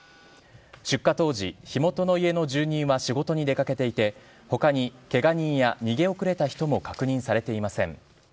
出火当時、火元の家の住人は仕事に出かけていて、ほかにけが人や逃げ遅れた人も確認されていません。